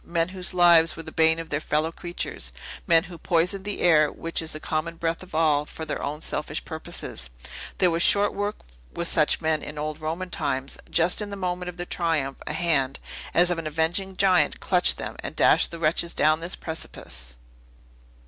"Men whose lives were the bane of their fellow creatures. Men who poisoned the air, which is the common breath of all, for their own selfish purposes. There was short work with such men in old Roman times. Just in the moment of their triumph, a hand, as of an avenging giant, clutched them, and dashed the wretches down this precipice."